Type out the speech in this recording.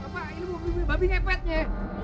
apa ilmu babi ngepetnya